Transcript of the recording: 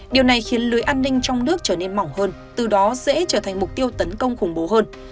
điều này khiến lưới an ninh trong nước trở nên mỏng hơn từ đó dễ trở thành mục tiêu tấn công khủng bố hơn